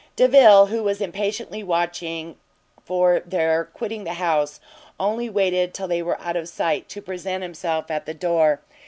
Delvile, who was impatiently watching for their quitting the house, only waited till they were out of sight, to present himself at the door.